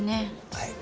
はい。